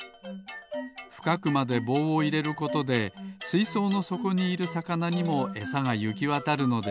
ふかくまでぼうをいれることですいそうのそこにいるさかなにもエサがゆきわたるのです。